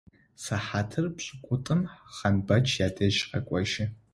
Сыхьатыр пшӏыкӏутӏум Хъанбэч ядэжь къэкӏожьы.